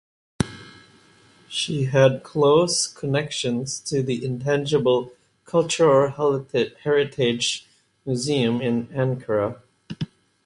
She had close connections to the Intangible Cultural Heritage Museum in Ankara.